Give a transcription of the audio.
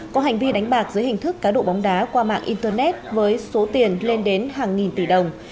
có hành vi đánh bạc dưới hình thức cá độ bóng đá qua mạng internet với số tiền lên đến hàng nghìn tỷ đồng